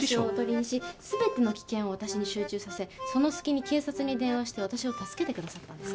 囮にし全ての危険を私に集中させその隙に警察に電話して私を助けてくださったんです